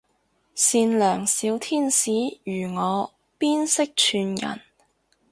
善良小天使如我邊識串人